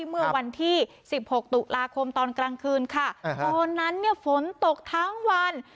เมื่อวันที่๑๖ตุลาคมตอนกลางคืนค่ะตอนนั้นเนี่ยฝนตกทั้งวัน